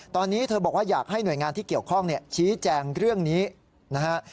ตอนนี้เธอบอกว่าอยากให้หน่วยงานที่เกี่ยวข้องชี้แจงเรื่องนี้นะฮะ